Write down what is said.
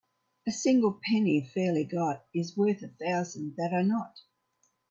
A single penny fairly got is worth a thousand that are not.